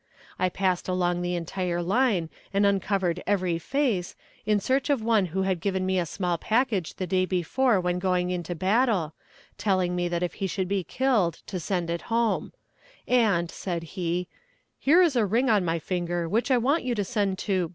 I passed along the entire line and uncovered every face, in search of one who had given me a small package the day before when going into battle, telling me that if he should be killed to send it home; and, said he, "here is a ring on my finger which I want you to send to